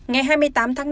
ngày hai mươi tám tháng năm